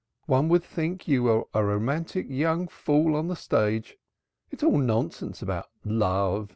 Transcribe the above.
One would think you were a romantic young fool on the stage. It's all nonsense about love.